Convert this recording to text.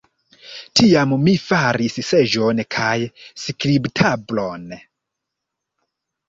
Tiam mi faris seĝon kaj skribtablon.